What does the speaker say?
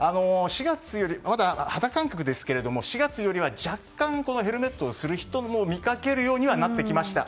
まだ肌感覚ですが４月より若干ヘルメットをする人を見かけるようにはなってきました。